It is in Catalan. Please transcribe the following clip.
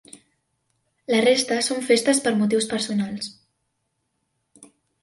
La resta són festes per motius personals.